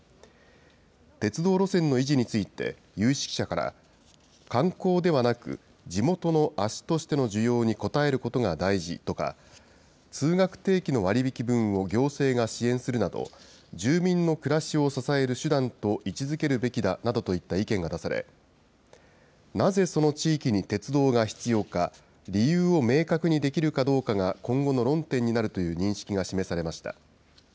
鉄道路線の維持について、有識者から、観光ではなく、地元の足としての需要に応えることが大事とか、通学定期の割引分を行政が支援するなど、住民の暮らしを支える手段と位置づけるべきだなどといった意見が出され、なぜその地域に鉄道が必要か、理由を明確にできるかどうかが今後の論点になるという認識が示されました。